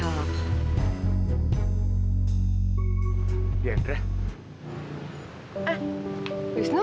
aku mau memberikan bisnis lima